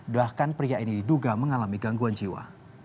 bahkan pria ini diduga mengalami gangguan jiwa